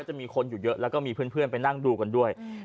จะมีคนอยู่เยอะแล้วก็มีเพื่อนไปนั่งดูกันด้วย